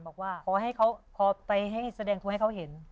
บอกว่าขอไปแสดงทูลให้เขาเห็น